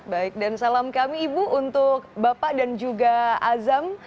baik dan salam kami ibu untuk bapak dan juga azam